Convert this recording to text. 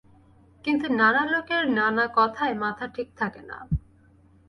কিন্তু নানা লোকের নানা কথায় মাথা ঠিক থাকে না।